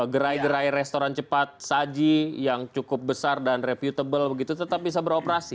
gerai gerai restoran cepat saji yang cukup besar dan reputable begitu tetap bisa beroperasi